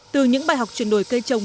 từ những bài học chuyển đổi cây trồng